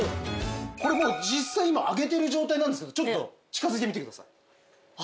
これ実際に今揚げてる状態なんですけどちょっと近づいてみてください。